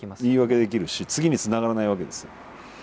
言い訳できるし次につながらないわけですよ。